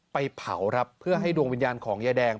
เผาครับเพื่อให้ดวงวิญญาณของยายแดง